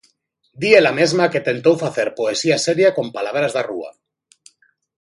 Di ela mesma que tentou facer "poesía seria con palabras da rúa".